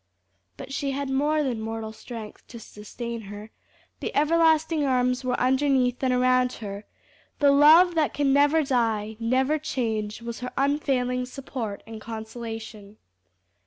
But she had more than mortal strength to sustain her; the everlasting arms were underneath and around her, the love that can never die, never change, was her unfailing support and consolation.